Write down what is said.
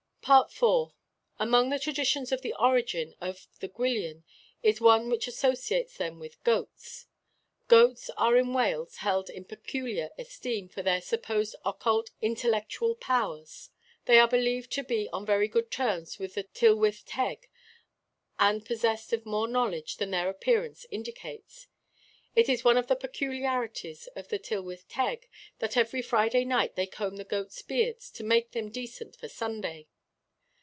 IV. Among the traditions of the origin of the Gwyllion is one which associates them with goats. Goats are in Wales held in peculiar esteem for their supposed occult intellectual powers. They are believed to be on very good terms with the Tylwyth Teg, and possessed of more knowledge than their appearance indicates. It is one of the peculiarities of the Tylwyth Teg that every Friday night they comb the goats' beards to make them decent for Sunday.